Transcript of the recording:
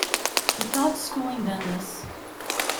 He taught school in Dundas.